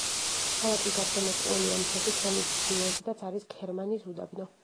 ქალაქი გარშემორტყმულია მთებით, რომლის ჩრდილოეთითაც არის ქერმანის უდაბნო.